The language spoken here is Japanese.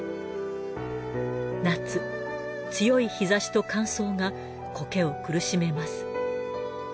強い日差しと乾燥が苔を苦しめます。